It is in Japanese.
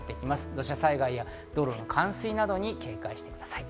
土砂災害や道路の冠水などに警戒してください。